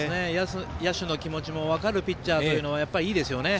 野手の気持ちも分かるピッチャーというのはいいですね。